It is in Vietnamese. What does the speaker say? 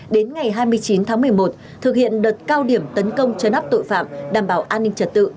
đến ngày hai mươi chín tháng một mươi một thực hiện đợt cao điểm tấn công chấn áp tội phạm đảm bảo an ninh trật tự